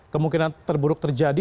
kemungkinan terburuk terjadi